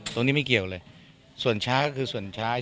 ตรงนี้ไม่เกี่ยวเลยส่วนช้าก็คือส่วนช้า